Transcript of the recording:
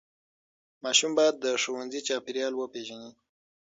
ماشوم باید د ښوونځي چاپېریال وپیژني.